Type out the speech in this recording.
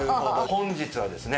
本日はですね